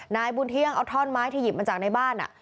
นายบุญเที่ยงเอาท่อนไม้ที่หยิบมาจากในบ้าน